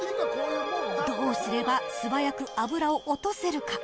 どうすれば素早く脂を落とせるか。